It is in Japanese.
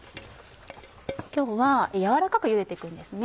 今日は軟らかくゆでて行くんですね。